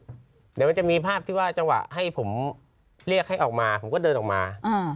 เดี๋ยวมันจะมีภาพที่ว่าจังหวะให้ผมเรียกให้ออกมาผมก็เดินออกมา